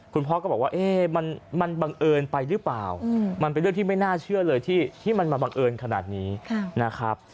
คุณพ่อก็บอกว่ามันบังเอิญไปหรือเปล่ามันเป็นเรื่องที่ไม่น่าเชื่อเลยที่มันมาบังเอิญขนาดนี้นะครับ